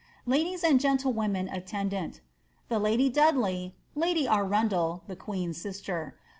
LadUt and gentlewomen attendant. The lady Dudley. Lady Arundel (the queen's sister).